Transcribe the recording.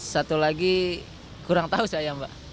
satu lagi kurang tahu saya mbak